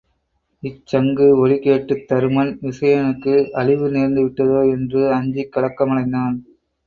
இச்சங்கு ஒலி கேட்டுத் தருமன் விசயனுக்கு அழிவு நேர்ந்து விட்டதோ என்று அஞ்சிக் கலக்கம் அடைந்தான்.